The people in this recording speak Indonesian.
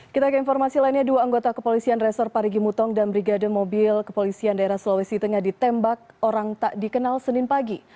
kita ke informasi lainnya dua anggota kepolisian resor parigi mutong dan brigade mobil kepolisian daerah sulawesi tengah ditembak orang tak dikenal senin pagi